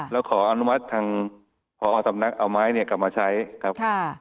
แล้วขออนุมัติทางพอสำนักเอาไม้เนี่ยกลับมาใช้ครับ